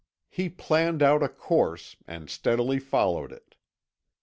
"He planned out a course, and steadily followed it.